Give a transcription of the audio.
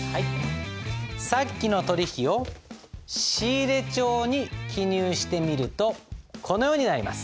さっきの取引を仕入帳に記入してみるとこのようになります。